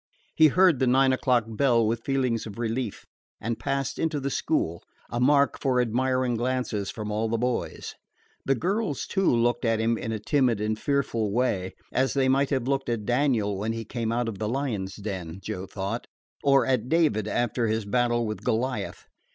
He heard the nine o'clock bell with feelings of relief, and passed into the school, a mark for admiring glances from all the boys. The girls, too, looked at him in a timid and fearful way as they might have looked at Daniel when he came out of the lions' den, Joe thought, or at David after his battle with Goliath.